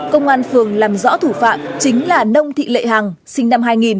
công an phường làm rõ thủ phạm chính là nông thị lệ hằng sinh năm hai nghìn